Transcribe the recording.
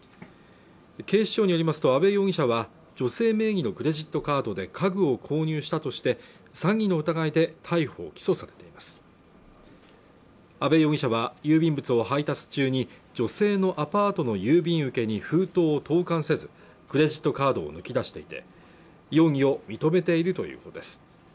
警視庁によりますと阿部容疑者は女性名義のクレジットカードで家具を購入したとして詐欺の疑いで逮捕・起訴されています阿部容疑者は郵便物を配達中に女性のアパートの郵便受けに封筒を投函せずクレジットカードを抜き出していて容疑を認めているということです